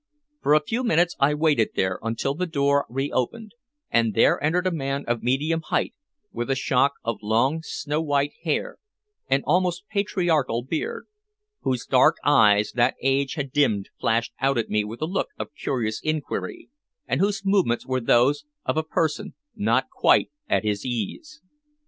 For a few minutes I waited there, until the door reopened, and there entered a man of medium height, with a shock of long snow white hair and almost patriarchal beard, whose dark eyes that age had dimmed flashed out at me with a look of curious inquiry, and whose movements were those of a person not quite at his ease.